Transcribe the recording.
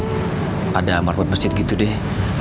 pada masjid gitu deh